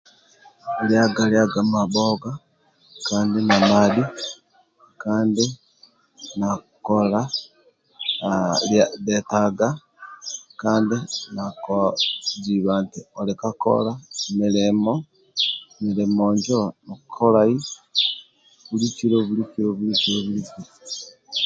Liaga liaga mabhonga kandi namadhi kandi na kola dhetaga kandi nakola ziba eti mulimo injo milimo injo oli ka kolai bulikilo bulikilo